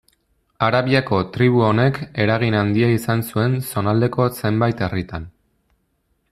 Arabiako tribu honek eragin handia izan zuen zonaldeko zenbait herritan.